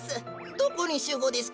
どこにしゅうごうですか？